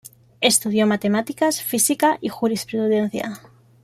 Estudió matemáticas, física, y jurisprudencia.